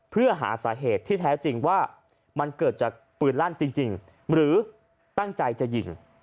เพื่อหาสาเหตุที่แท้จริงว่ามันเกิดจากปืนลั่นจริงหรือตั้งใจจะยิง